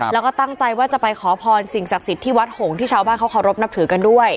แล้วก็ตั้งใจว่าจะไปขอพรสิ่งศักดิ์สิทธิ์ที่วัดหงที่ชาวบ้านเขาเคารพนับถือกันด้วย